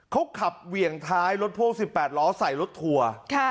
เขาขับเหวี่ยงท้ายรถพ่วง๑๘ล้อใส่รถทัวร์